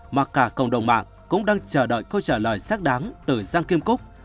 mà cả cộng đồng mạng cũng đang chờ đợi câu trả lời xác đáng từ giang kim cúc